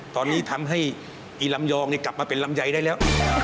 ตอนนี้ทำให้อีลำยองกลับมาเป็นลำไยได้แล้ว